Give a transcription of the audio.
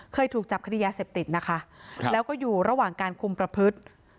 เคยถูกจับคดียาเสพติดนะคะแล้วก็อยู่ระหว่างการคุมประพฤติ